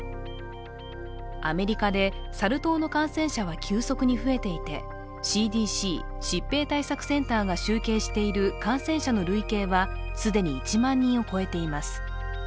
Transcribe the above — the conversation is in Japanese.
アメリカでサル痘の感染者は急速に増えていてＣＤＣ＝疾病対策センターが集計している感染者の累計は既に１万人を超えています。